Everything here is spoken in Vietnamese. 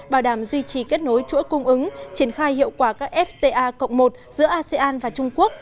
bảo đảm duy trì kết nối chuỗi cung ứng triển khai hiệu quả các fta cộng một giữa asean và trung quốc